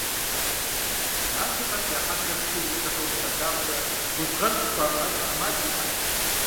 Махуэ къэс я хьэблэм шууэ удыхьэу укъыщалъагъукӀэ, гужьгъэжь къыпхуамыӀэныр Ӏэмал зимыӀэт.